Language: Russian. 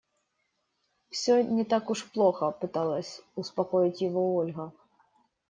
«Всё не так уж плохо», - пыталась успокоить его Ольга.